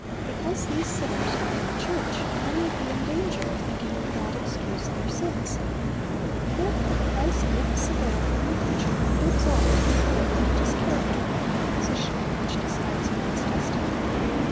Because these sinners were in the church, men would be in danger of thinking that God (122) Based on Matt. 13:47 50 The Net 123 excused their sins. Therefore Christ Hfts the veil from the future, and bids all to behold that it is character, not position, which decides man's destiny.